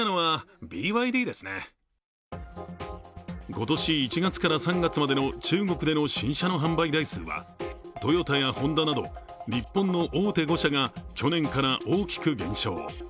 今年１月から３月までの中国での新車の販売台数はトヨタやホンダなど日本の大手５社が去年から大きく減少。